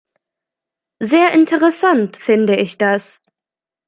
Sehr interessant finde ich das.